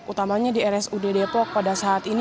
utamanya di rsud depok pada saat ini